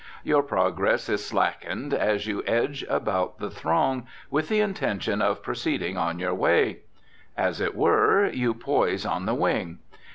Your progress is slackened as you edge about the throng with the intention of proceeding on your way. As it were, you poise on the wing.